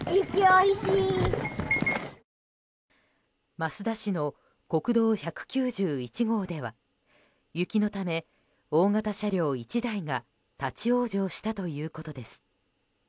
益田市の国道１９１号では雪のため、大型車両１台が立ち往生したということです。